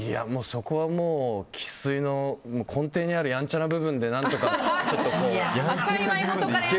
そこは生粋の根底にあるやんちゃな部分で何とかちょっとこう。